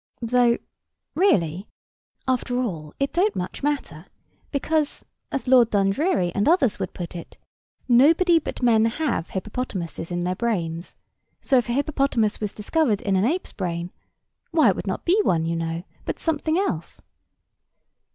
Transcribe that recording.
—Though really, after all, it don't much matter; because—as Lord Dundreary and others would put it—nobody but men have hippopotamuses in their brains; so, if a hippopotamus was discovered in an ape's brain, why it would not be one, you know, but something else.